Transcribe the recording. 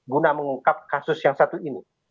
guna mengungkap kasus yang satu ini